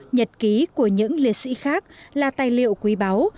nhật ký của những liệt sĩ khác là tài liệu quý báu